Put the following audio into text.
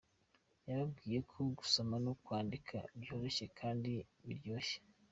Yababwiye ko gusoma no kwandika byoroshye kandi biryoshye.